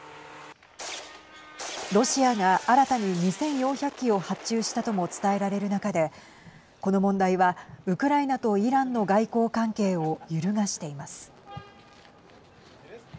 ロシアが新たに２４００機を発注したとも伝えられる中で、この問題はウクライナとイランの外交関係を揺るがしています。